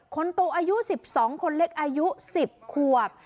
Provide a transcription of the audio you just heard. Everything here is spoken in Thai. คนโตอายุ๑๒คนเล็กอายุ๑๐ขวบ